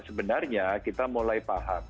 sebenarnya kita mulai paham